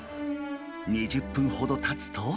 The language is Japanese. ２０分ほどたつと。